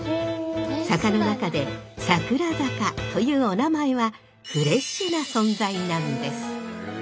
坂の中で「桜坂」というお名前はフレッシュな存在なんです。